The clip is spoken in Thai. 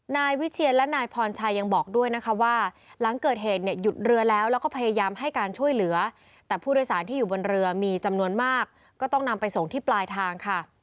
นายวิเชียนและนายพรชัยยังบอกด้วยนะคะว่าหลังเกิดเหตุเนี่ยหยุดเรือแล้วแล้วก็พยายามให้การช่วยเหลือแต่ผู้โดยสารที่อยู่บนเรือมีจำนวนมากก็ต้องนำไปส่งที่ปลายทางค่ะ